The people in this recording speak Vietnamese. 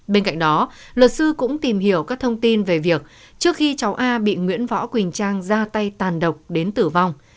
bên cạnh đó luật sư cũng tìm hiểu các thông tin về việc trước khi cháu a bị nguyễn võ quỳnh trang ra tay tàn độc đến tử vong